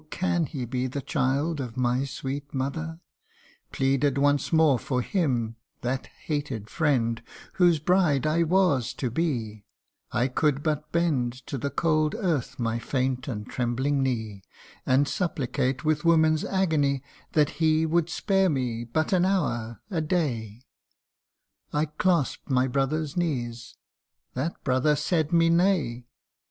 can he be the child of my sweet mother ?) Pleaded once more for him that hated friend Whose bride I was to be ; I could but bend To the cold earth my faint and trembling knee, And supplicate, with woman's agony, That he would spare me but an hour a day I clasp'd my brother's knees that brother said me nay